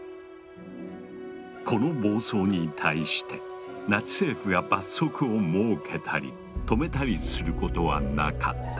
この暴走に対してナチ政府が罰則を設けたり止めたりすることはなかった。